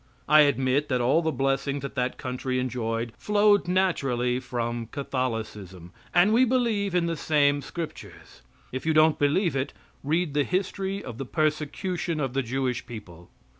I admit that all the blessings that that country enjoyed flowed naturally from Catholicism, and we believe in the same scriptures. If you don't believe it, read the history of the persecution of the Jewish people.